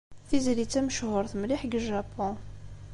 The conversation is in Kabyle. Tizlit-a mechuṛet mliḥ deg Japun.